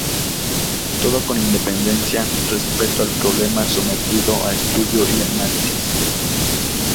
Todo con independencia respecto al problema sometido a estudio y análisis.